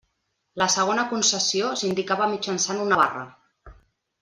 La segona concessió s'indicava mitjançant una barra.